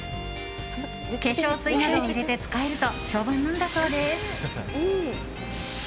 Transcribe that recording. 化粧水などを入れて使えると評判なんだそうです。